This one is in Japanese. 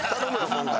今回。